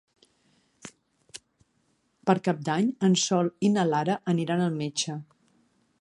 Per Cap d'Any en Sol i na Lara aniran al metge.